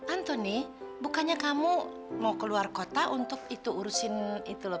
antoni bukannya kamu mau keluar kota untuk itu urusin itu loh